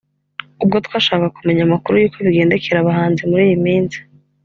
ubwo twashakaga kumenya amakuru y'uko bigendekera abahanzi muri iyi minsi